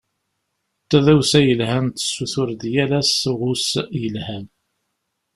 Tadawsa yelhan tessutur-d yal ass uɣus yelhan.